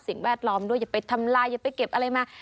แวดล้อมด้วยอย่าไปทำลายอย่าไปเก็บอะไรมา